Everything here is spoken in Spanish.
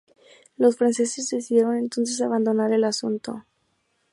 Los franceses decidieron entonces abandonar el asunto.